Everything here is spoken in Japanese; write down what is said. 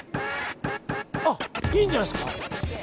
いいんじゃないですか？